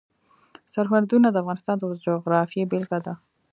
سرحدونه د افغانستان د جغرافیې بېلګه ده.